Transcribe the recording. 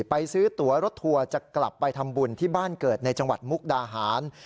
ไปซื้อตัวรถทัวร์จะกลับไปทำบุญที่บ้านเกิดในจังหวัดมุกดาหาร